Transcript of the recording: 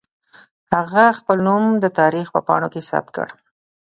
هغې خپل نوم د تاريخ په پاڼو کې ثبت کړ.